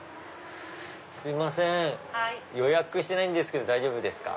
すいません予約してないけど大丈夫ですか？